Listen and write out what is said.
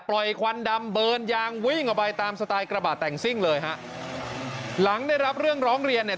ควันดำเบิร์นยางวิ่งออกไปตามสไตลกระบาดแต่งซิ่งเลยฮะหลังได้รับเรื่องร้องเรียนเนี่ย